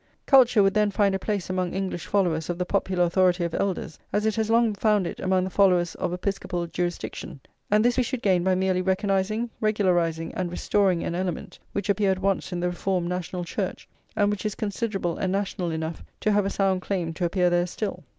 Culture would then find a place among English followers of the popular authority of elders, as it has long found it among the followers of Episcopal jurisdiction; and this we should gain by merely recognising, regularising, and restoring an element which appeared once in the reformed National Church, and which is considerable and national enough to have a sound claim to appear there still.